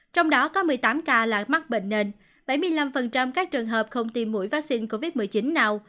trong đó có một mươi tám ca là mắc bệnh nền bảy mươi năm các trường hợp không tiêm mũi vaccine covid một mươi chín nào